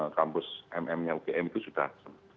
kampus mmnya ugm itu sudah